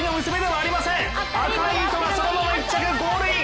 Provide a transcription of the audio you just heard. アカイイトがそのまま１着、ゴールイン。